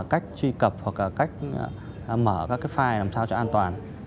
cách truy cập hoặc là cách mở các cái file làm sao cho an toàn